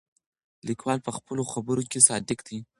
لیکوال په خپلو خبرو کې صادق دی.